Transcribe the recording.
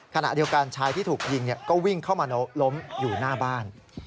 ขณะเดียวกันชายที่ถูกยิงก็วิ่งเข้ามาล้มอยู่หน้าบ้าน